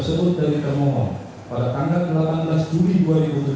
sebelum termohon melakukan proses penyelidikan